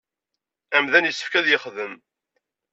Amdan yessefk ad yexdem.